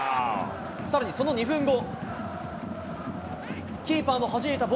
さらにその２分後。